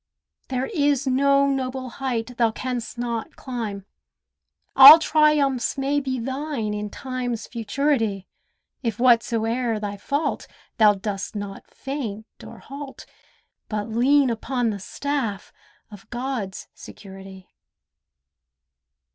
There is no noble height thou canst not climb. All triumphs may be thine in Time's futurity, If whatso'er thy fault, thou dost not faint or halt, But lean upon the staff of God's security.